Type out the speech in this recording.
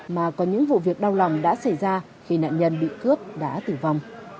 mà có những vụ việc đau lòng đã xảy ra khi nạn nhân bị cướp đã tử vong